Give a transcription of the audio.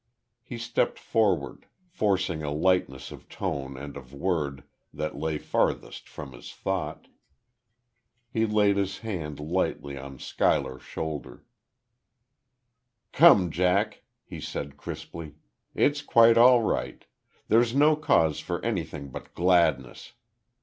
He stepped forward, forcing a lightness of tone and of word that lay farthest from his thought. He laid his hand lightly on Schuyler's shoulder. "Come, Jack," he said crisply. "It's quite all right. There's no cause for anything but gladness.